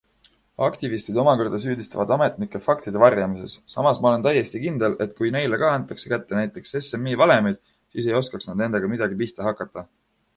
Aktivistid omakorda süüdistavad ametnikke faktide varjamises, samas ma olen täiesti kindel, et kui neile ka antaks kätte näiteks SMI valemid, siis ei oskaks nad nendega midagi pihta hakata.